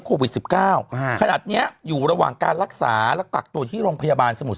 โควิด๑๙ขนาดนี้อยู่ระหว่างการรักษาและกักตัวที่โรงพยาบาลสมุทร